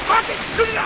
来るな！